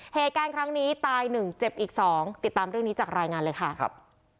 เหตุการณ์ครั้งนี้ตายหนึ่งเจ็บอีกสองติดตามเรื่องนี้จากรายงานเลยค่ะครับ